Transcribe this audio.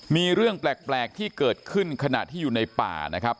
มีเรื่องแปลกที่เกิดขึ้นขณะที่อยู่ในป่านะครับ